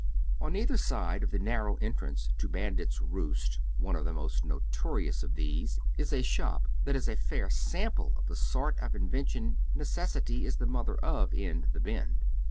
On either side of the narrow entrance to Bandit's Eoosr, one of the most notorious of these, is a shop that is a fair sample of the sort of invention necessity is the mother of in " the Bend."'